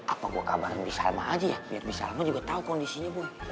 apa gue kabarin bisa lama aja ya biar bisa lama juga tahu kondisinya bu